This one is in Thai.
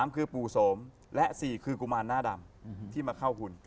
คือปู่โสมและ๔คือกุมารหน้าดำที่มาเข้าคุณ